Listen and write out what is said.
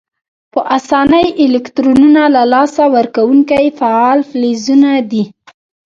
په آساني الکترونونه له لاسه ورکونکي فعال فلزونه دي.